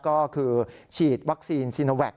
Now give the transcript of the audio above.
ก็คือฉีดวัคซีนซีโนแวค